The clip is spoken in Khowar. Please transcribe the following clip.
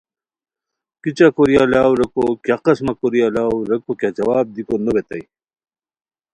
کیچہ کوری الاؤ ریکو کیہ قسمہ کوری الاؤ؟ ریکو کیہ جواب دیکو نوبیتائے